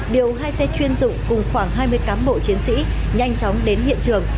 điều hai xe chuyên dụng cùng khoảng hai mươi cán bộ chiến sĩ nhanh chóng đến hiện trường